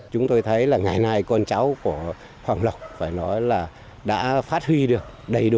chúng tôi thấy là ngày nay con cháu của hoàng lộc phải nói là đã phát huy được đầy đủ